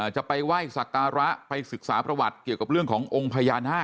จะไปไหว้สักการะไปศึกษาประวัติเกี่ยวกับเรื่องขององค์พญานาค